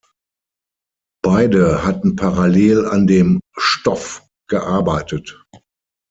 Beide hatten parallel an dem Stoff gearbeitet.